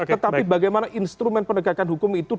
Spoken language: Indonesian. tetapi bagaimana instrumen penegakan hukum itu